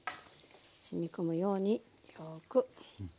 しみこむようによく。